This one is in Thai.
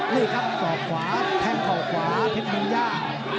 นี่ครับก่อขวาแทงก่อขวาเผ็ดเมืองย่า